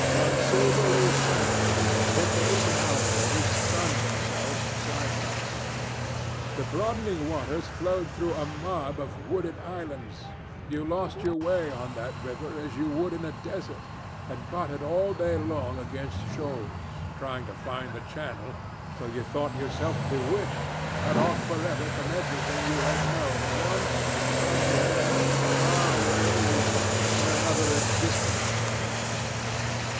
On silvery sandbanks hippos and alligators sunned themselves side by side. The broadening waters flowed through a mob of wooded islands; you lost your way on that river as you would in a desert, and butted all day long against shoals, trying to find the channel, till you thought yourself bewitched and cut off for ever from everything you had known once somewhere far away in another existence perhaps.